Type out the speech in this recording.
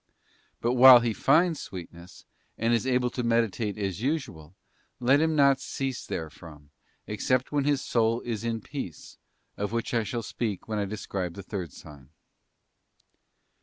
But while he finds sweetness, and is able to meditate as usual, let him not cease therefrom, except when his soul is in peace, of which I shall speak when describing the third sign.